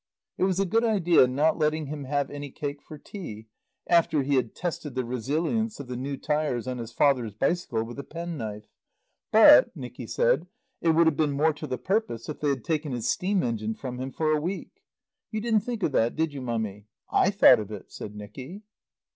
It was a good idea not letting him have any cake for tea after he had tested the resilience of the new tyres on his father's bicycle with a penknife; but, Nicky said, it would have been more to the purpose if they had taken his steam engine from him for a week. "You didn't think of that, did you, Mummy? I thought of it," said Nicky.